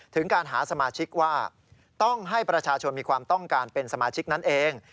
ถึงการหาสมาชิกว่าต้องให้ประชาชนมีความต้องการเป็นสมาชิกนั้นเอง